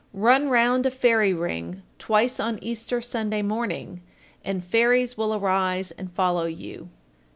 Run round a fairy ring twice on Easter Sunday morning, and fairies will arise and follow you.